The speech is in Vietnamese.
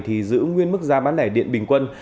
thì giữ nguyên mức giá bán lẻ điện bình quân